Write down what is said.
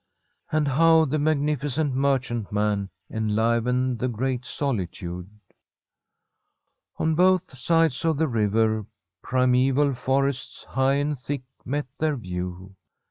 And how the magnificent merchantman enlivened the great solitude ! On both sides of the river primeval forests, high and thick, met their view.